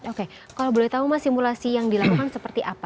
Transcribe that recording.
oke kalau boleh tahu mas simulasi yang dilakukan seperti apa